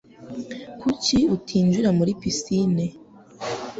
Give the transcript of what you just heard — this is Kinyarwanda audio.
Kuki utinjira muri pisine